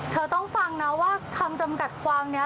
เธอต้องฟังนะว่าคำจำกัดความนี้